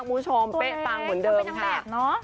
คุณผู้ชมเป๊ะปังเหมือนเดิมค่ะ